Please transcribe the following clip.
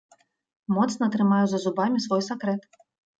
Моцна трымаю за зубамі свой сакрэт.